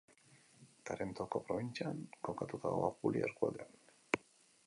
Tarentoko probintzian kokatuta dago, Apulia eskualdean.